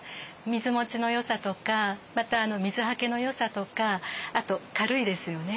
水もちの良さとかまた水はけの良さとかあと軽いですよね。